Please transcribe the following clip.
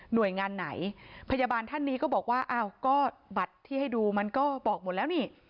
โดยงานไหนพยาบาลท่านนี้ก็บอกว่าอ้าวก็บัตรที่ให้ดูมันก็บอกหมดแล้วนี่